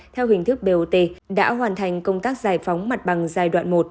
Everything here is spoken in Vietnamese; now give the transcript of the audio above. theo hình thức bot đã hoàn thành công tác giải phóng mặt bằng giai đoạn một